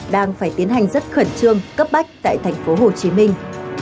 đang phải tiến hành rất khẩn trương cấp bách tại thành phố hồ chí minh